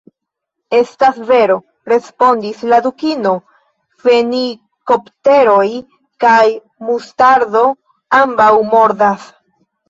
"Estas vero," respondis la Dukino. "Fenikopteroj kaj mustardo ambaŭ mordas.